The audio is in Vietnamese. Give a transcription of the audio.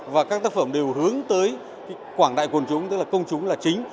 và các tác phẩm đều hướng tới quảng đại quần chúng tức là công chúng là chính